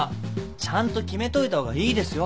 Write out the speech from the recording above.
ちゃんと決めといた方がいいですよ